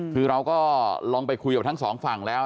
คือเราก็ลองไปคุยกับทั้งสองฝั่งแล้ว